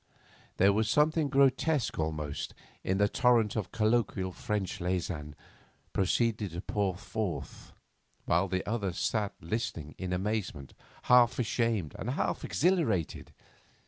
There was something grotesque almost in the torrent of colloquial French Leysin proceeded to pour forth, while the other sat listening in amazement, half ashamed and half exhilarated.